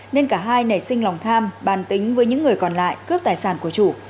nên cả hai nảy sinh lòng tham bàn tính với những người còn lại cướp tài sản của chủ